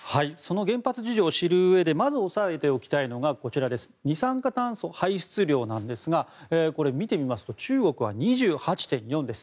原発事情を知るうえでまず押さえておきたいのが二酸化炭素排出量なんですがこれを見てみますと中国は２８．４です。